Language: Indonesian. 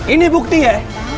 ini bukti ya